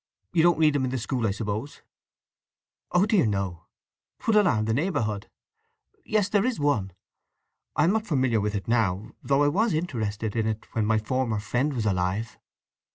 You don't read them in the school I suppose?" "Oh dear no!—'twould alarm the neighbourhood… Yes, there is one. I am not familiar with it now, though I was interested in it when my former friend was alive.